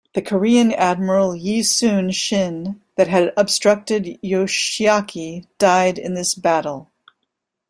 The Korean admiral Yi Soon Shin that had obstructed Yoshiaki died in this battle.